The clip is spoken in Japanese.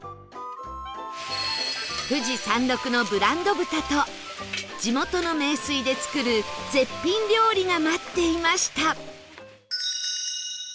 富士山麓のブランド豚と地元の名水で作る絶品料理が待っていました